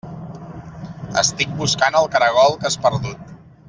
Estic buscant el caragol que has perdut.